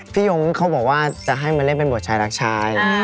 ยงเขาบอกว่าจะให้มาเล่นเป็นบทชายรักชาย